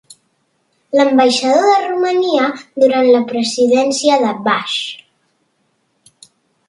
L'ambaixador de Romania durant la presidència de Bush.